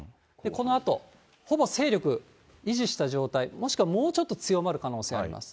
このあと、ほぼ勢力維持した状態、もしくはもうちょっと強まる可能性あります。